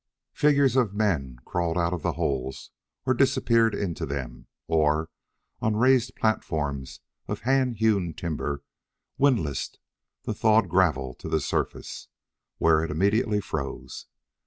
Figures of men crawled out of the holes, or disappeared into them, or, on raised platforms of hand hewn timber, windlassed the thawed gravel to the surface, where it immediately froze.